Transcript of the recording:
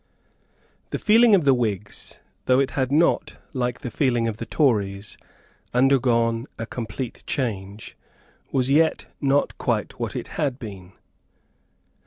The feeling of the Whigs, though it had not, like the feeling of the Tories, undergone a complete change, was yet not quite what it had been.